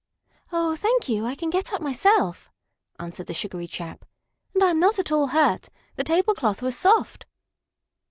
"Oh, thank you, I can get up myself," answered the sugary chap. "And I am not at all hurt. The table cloth was soft."